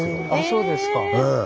そうですか。